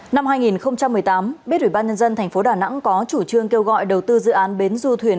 năm hai nghìn một mươi tám bếp ủy ban nhân dân tp đà nẵng có chủ trương kêu gọi đầu tư dự án bến du thuyền